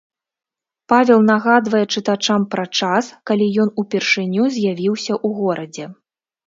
Павел нагадвае чытачам пра час, калі ён упершыню з'явіўся ў горадзе.